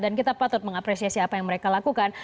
dan kita patut mengapresiasi apa yang mereka lakukan